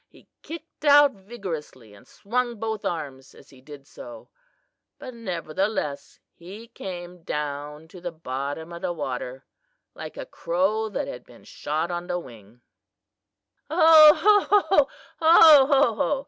He kicked out vigorously and swung both arms as he did so, but nevertheless he came down to the bottom of the water like a crow that had been shot on the wing." "Ho, ho, ho! Ho, ho, ho!"